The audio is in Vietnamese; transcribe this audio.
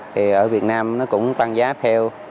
thì ở việt nam nó cũng tăng giá theo